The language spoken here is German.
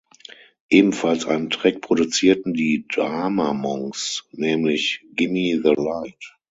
Ebenfalls einen Track produzierten die "Drama Monks", nämlich "Gimme the light".